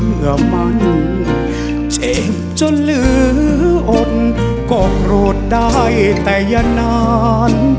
เมื่อมันเจ็บจนเหลืออดก็โกรธได้แต่อย่านาน